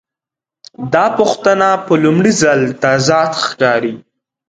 دا پوښتنه په لومړي ځل تضاد ښکاري.